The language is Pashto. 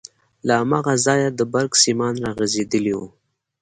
له هماغه ځايه د برق سيمان راغځېدلي وو.